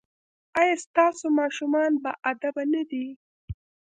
ایا ستاسو ماشومان باادبه نه دي؟